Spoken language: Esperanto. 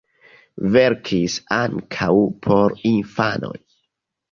Verkis ankaŭ por infanoj.